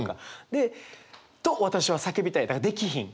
で「と私は叫びたい」だからできひん。